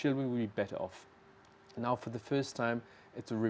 ada pemilihan yang berkali kiri